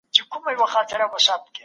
په خوښۍ کې شکر وکړئ.